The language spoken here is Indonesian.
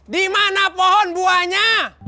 di mana pohon buahnya